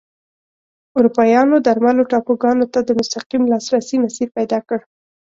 اروپایانو درملو ټاپوګانو ته د مستقیم لاسرسي مسیر پیدا کړ.